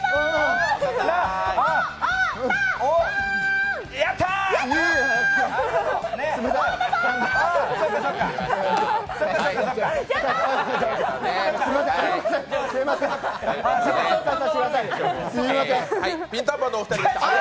はい、ピンタンパンのお二人でした。